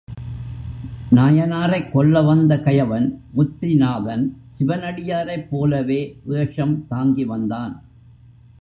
நாயனாரைக் கொல்ல வந்த கயவன் முத்திநாதன் சிவனடியாரைப் போலவே வேஷம் தாங்கி வந்தான்.